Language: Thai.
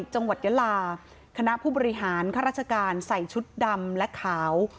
จังหวัดยาลาคณะผู้บริหารข้าราชการใส่ชุดดำและขาว